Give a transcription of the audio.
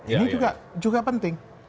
ini juga penting